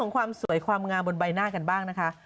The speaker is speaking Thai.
ความสวยความงามบนใบหน้ากันบ้างนะคะ